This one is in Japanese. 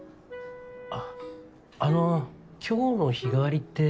あっあの今日の日替わりって。